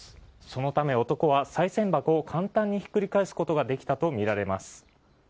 そのため男はさい銭箱を簡単にひっくり返すことができたとみられます。